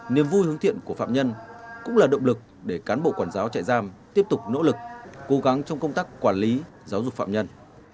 niềm vui hướng thiện của phạm nhân cũng là động lực để cán bộ quản giáo trại giam tiếp tục nỗ lực cố gắng trong công tác quản lý giáo dục phạm nhân